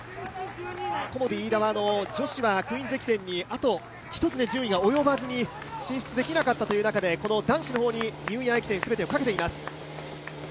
コモディイイダは女子はクイーンズ駅伝にあと１つ順位が及ばずに進出できなかったという中で、男子の方にニューイヤー駅伝、全てをかけています。